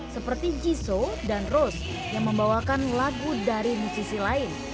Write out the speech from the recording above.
seperti jiso dan rose yang membawakan lagu dari musisi lain